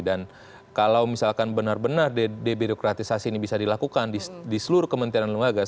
dan kalau misalkan benar benar debirokratisasi ini bisa dilakukan di seluruh kementerian luar negara